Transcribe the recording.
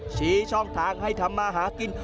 ชี้ช่องทางให้ทำมาหากิน